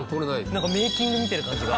なんかメイキング見てる感じが。